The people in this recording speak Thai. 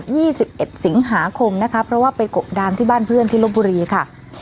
ี่สิบเอ็ดสิงหาคมนะคะเพราะว่าไปกบดานที่บ้านเพื่อนที่ลบบุรีค่ะ